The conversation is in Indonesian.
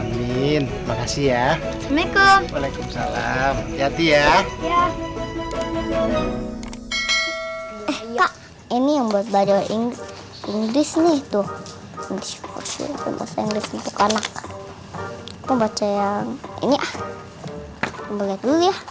mau baca yang ini ah mau lihat dulu ya